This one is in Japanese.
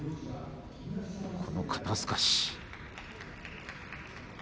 この肩すかし。